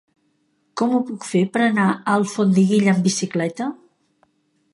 Com ho puc fer per anar a Alfondeguilla amb bicicleta?